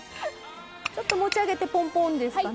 ちょっと持ち上げてぽんぽんですかね。